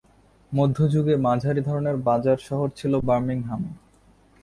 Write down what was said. মধ্যযুগে মাঝারি ধরনের বাজার শহর ছিল বার্মিংহাম।